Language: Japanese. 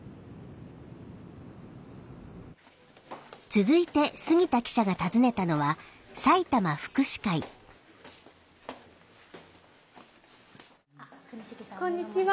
続いて杉田記者が訪ねたのはこんにちは。